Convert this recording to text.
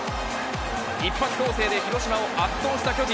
一発攻勢で広島を圧倒した巨人。